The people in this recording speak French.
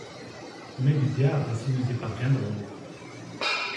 Mais du diable si nous y parviendrons